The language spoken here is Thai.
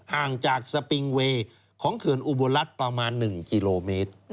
ห่างจากสปิงเวย์ของเขื่อนอุบลรัฐประมาณ๑กิโลเมตร